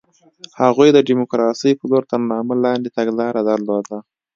هغوی د ډیموکراسۍ په لور تر نامه لاندې تګلاره درلوده.